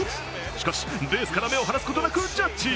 しかし、ベースから目を離すことなくジャッジ。